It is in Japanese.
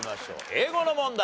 英語の問題。